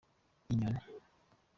inyoni.